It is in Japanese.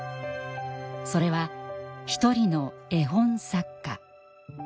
それはひとりの絵本作家。